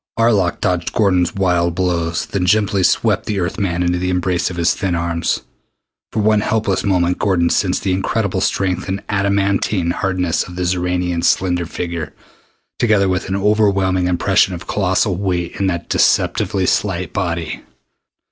Arlok dodged Gordon's wild blows, then gently swept the Earth man into the embrace of his thin arms. For one helpless moment Gordon sensed the incredible strength and adamantine hardness of the Xoranian's slender figure, together with an overwhelming impression of colossal weight in that deceptively slight body.